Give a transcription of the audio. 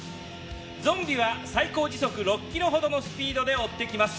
ゾンビは最高時速６キロほどのスピードで追ってきます。